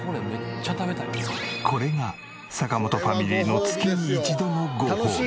これが坂本ファミリーの月に一度のごほうび。